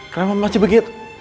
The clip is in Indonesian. kenapa masih begitu